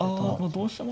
同飛車も。